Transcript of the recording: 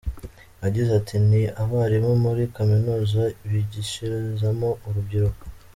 Yagize ati “Ni abarimu muri kaminuza, bigishirizamo urubyiruko.